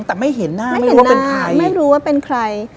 แต่ไม่เห็นหน้าไม่รู้ว่าเป็นใคร